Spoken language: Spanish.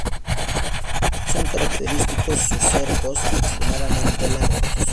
Son característicos sus cercos extremadamente largos.